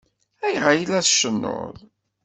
Ayɣer ay la tcennuḍ?